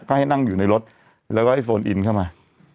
ก็ให้นั่งอยู่ในรถแล้วก็ให้โฟนอินเข้ามา